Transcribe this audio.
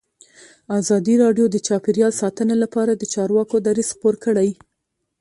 ازادي راډیو د چاپیریال ساتنه لپاره د چارواکو دریځ خپور کړی.